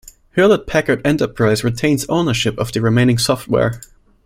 Hewlett Packard Enterprise retains ownership of the remaining software.